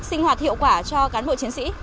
sinh hoạt hiệu quả cho cán bộ chiến sĩ